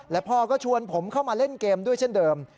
และพ่อก็ชวนผมเข้ามาเล่นเกมด้วยเช่นเดิม